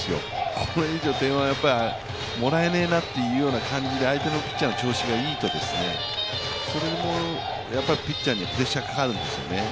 あまり点はもらえねえなという感じで、相手のピッチャーの調子がいいとそれもピッチャーにはプレッシャーがかかるんですよね。